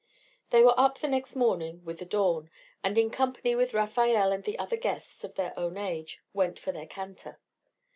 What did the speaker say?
They were up the next morning with the dawn, and in company with Rafael and the other guests of their own age, went for their canter.